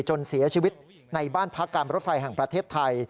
จนเสียชีวิตในบ้านพักการรถไฟแห่งประเทศไทย